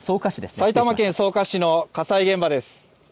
埼玉県草加市の火災現場です。